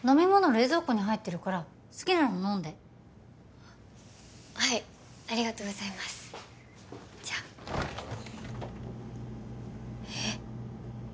冷蔵庫に入ってるから好きなの飲んではいありがとうございますじゃあえっ